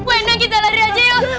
bu endang kita lari aja yuk